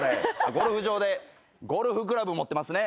ゴルフ場でゴルフクラブ持ってますね。